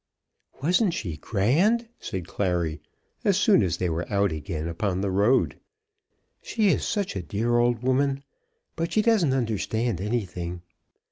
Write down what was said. "Wasn't she grand?" said Clary, as soon as they were out again upon the road. "She is such a dear old woman, but she doesn't understand anything.